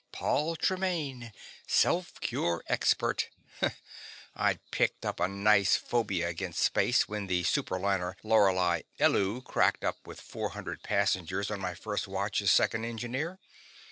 Paul Tremaine, self cure expert! I'd picked up a nice phobia against space when the super liner Lauri Ellu cracked up with four hundred passengers on my first watch as second engineer.